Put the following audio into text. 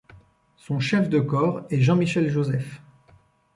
Son chef de corps est Jean-Michel Joseph.